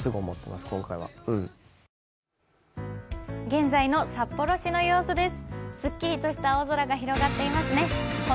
現在の札幌市の様子です。